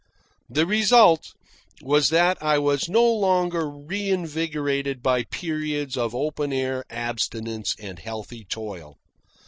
The result was that I was no longer reinvigorated by periods of open air abstinence and healthy toil.